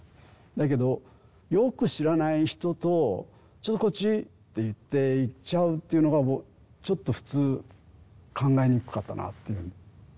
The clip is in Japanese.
だけどよく知らない人と「ちょっとこっち」って言って行っちゃうっていうのがちょっと普通考えにくかったなっていう。